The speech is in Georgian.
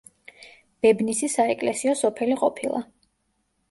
ბებნისი საეკლესიო სოფელი ყოფილა.